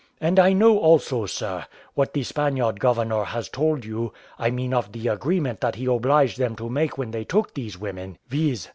And I know also, sir, what the Spaniard governor has told you, I mean of the agreement that he obliged them to make when they took those women, viz.